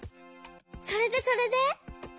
それでそれで？